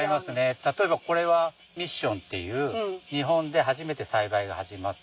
例えばこれはミッションっていう日本で初めて栽培が始まった品種。